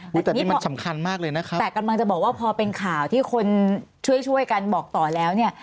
แต่นี่มันสำคัญมากเลยนะคะแต่กำลังจะบอกว่าพอเป็นข่าวที่คนช่วยช่วยกันบอกต่อแล้วเนี่ย